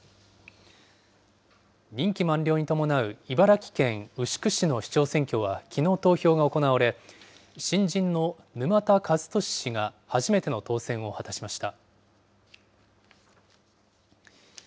任期満了に伴う茨城県牛久市の市長選挙は、きのう投票が行われ、新人の沼田和利氏が初めての当選を果たしました。